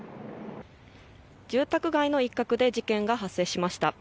住宅街の一角で事件が発覚しました。